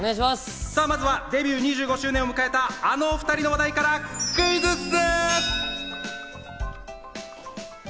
まずはデビュー２５周年を迎えた、あの２人の話題からクイズッス！